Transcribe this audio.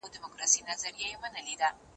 ايا ته ښوونځی ته ځې،